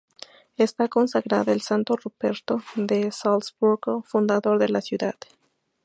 Está consagrada al santo Ruperto de Salzburgo, fundador de la ciudad.